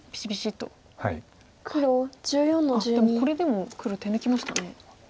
でもこれでも黒手抜きましたね。